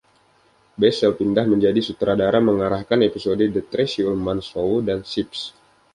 Bessell pindah menjadi sutradara, mengarahkan episode "The Tracey Ullman Show" dan "Sibs".